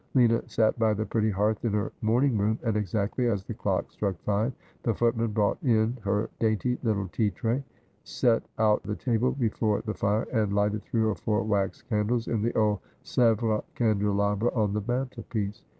Lina sat by the pretty hearth in her morning room, and exactly as the clock struck five the footman brought in her dainty little tea tray, set out the table before the fire, and lighted three or four wax candles in the old Sevres candelabra on the mantelpiece.